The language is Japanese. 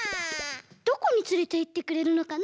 どこにつれていってくれるのかな？